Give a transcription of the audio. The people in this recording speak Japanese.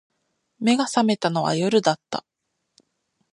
眼が覚めたのは夜だった